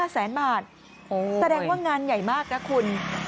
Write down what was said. แสดงว่างานใหญ่มากนะคุณ